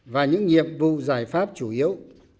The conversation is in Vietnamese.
và những nhiệm vụ giải pháp chủ yếu